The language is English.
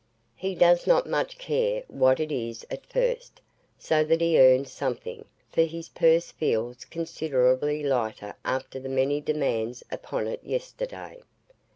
He does not much care what it is at first, so that he earns something; for his purse feels considerably lighter after the many demands upon it yesterday.